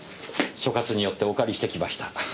所轄に寄ってお借りしてきました。